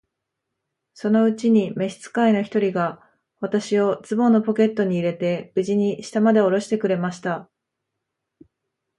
そのうちに召使の一人が、私をズボンのポケットに入れて、無事に下までおろしてくれました。